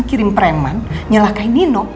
kirim preman nyelakai nino